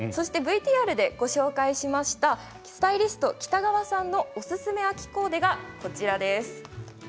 ＶＴＲでご紹介しましたスタイリスト北川さんのおすすめ秋コーデがこちらです。